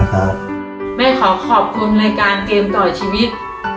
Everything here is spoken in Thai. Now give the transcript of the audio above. แม่ขอขอบคุณรายการเกมต่อชีวิต